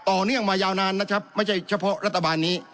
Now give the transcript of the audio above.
เนื่องมายาวนานนะครับไม่ใช่เฉพาะรัฐบาลนี้